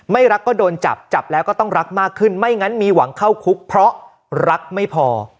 ไม่รักก็โดนจับจับแล้วก็ต้องรักมากขึ้นไม่งั้นมีหวังเข้าคุกเพราะรักไม่พอ